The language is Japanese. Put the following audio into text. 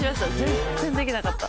「全然できなかった」